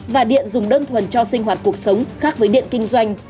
và điện dùng đơn thuần cho sinh hoạt cuộc sống khác với điện kinh doanh